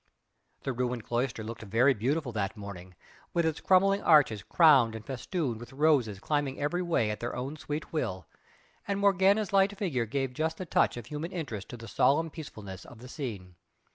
The ruined cloister looked very beautiful that morning, with its crumbling arches crowned and festooned with roses climbing every way at their own sweet will, and Morgana's light figure gave just the touch of human interest to the solemn peacefulness of the scene.